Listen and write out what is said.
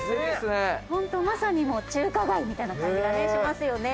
ホントまさに中華街みたいな感じがしますよね。